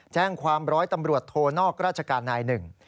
แจ้งความร้อยตำรวจโทนอกราชการนายหนึ่ง